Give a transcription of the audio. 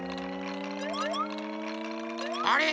あれ？